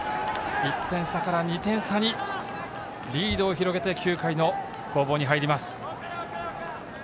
１点差から２点差にリードを広げて９回の攻防に入ります。